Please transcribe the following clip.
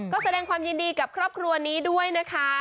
ก็แสดงความยินดีกับครอบครัวนี้ด้วยนะคะ